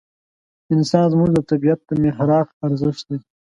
انسان زموږ د طبعیت د محراق ارزښت دی.